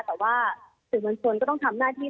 แต่ว่าสื่อมวลชนก็ต้องทำหน้าที่